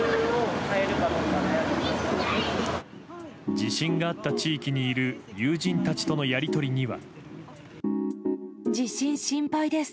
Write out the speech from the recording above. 地震があった地域にいる友人たちとのやり取りには。